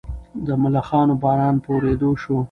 د ملخانو باران په ورېدو شو.